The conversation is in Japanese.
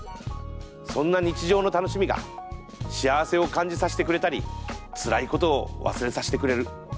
そんな日常の楽しみが幸せを感じさしてくれたりつらいことを忘れさしてくれる。